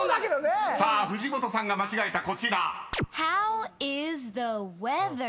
［さあ藤本さんが間違えたこちら］